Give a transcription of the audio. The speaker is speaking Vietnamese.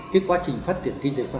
cái quá trình phát triển kinh tế sau